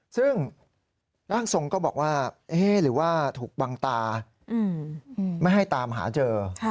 ซึ่งร่างทรงก็บอกว่าเอ๊ะหรือว่าถูกบังตาไม่ให้ตามหาเจอ